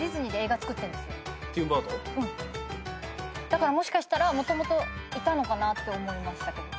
だからもしかしたらもともといたのかなって思いましたけど。